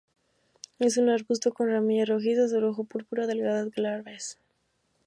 Es un arbusto con ramillas rojizas o rojo púrpura, delgadas, glabras.